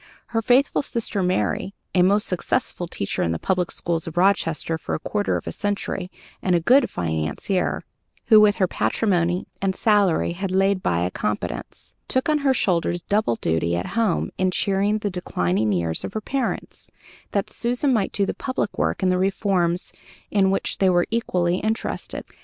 Her faithful sister Mary, a most successful teacher in the public schools of Rochester for a quarter of a century, and a good financier, who with her patrimony and salary had laid by a competence, took on her shoulders double duty at home in cheering the declining years of her parents, that Susan might do the public work in the reforms in which they were equally interested.